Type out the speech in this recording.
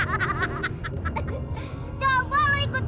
agar gue diadakan